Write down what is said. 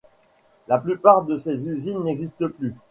La plupart de ces usines n’existent plus.